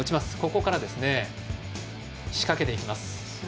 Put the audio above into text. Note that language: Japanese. ここから仕掛けていきます。